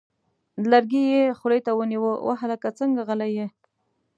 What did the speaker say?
لرګی یې خولې ته ونیوه: وه هلکه څنګه غلی یې!؟